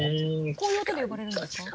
こういう音で呼ばれるんですか？